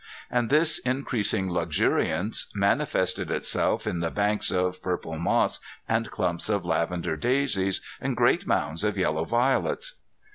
And this increasing luxuriance manifested itself in the banks of purple moss and clumps of lavender daisies and great mounds of yellow violets.